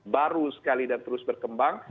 baru sekali dan terus berkembang